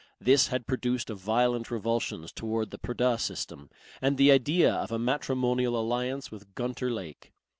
This had produced a violent revulsion towards the purdah system and the idea of a matrimonial alliance with Gunter Lake.